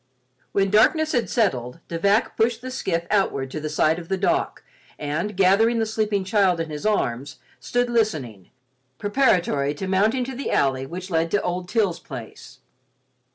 When darkness had settled, De Vac pushed the skiff outward to the side of the dock and, gathering the sleeping child in his arms, stood listening, preparatory to mounting to the alley which led to old Til's place.